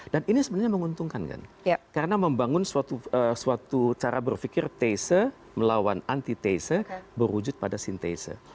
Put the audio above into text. dan ini sebenarnya menguntungkan kan karena membangun suatu cara berpikir teise melawan anti teise berwujud pada sintese